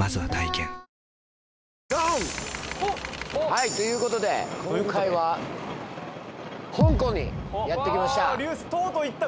はいということで今回は香港にやって来ました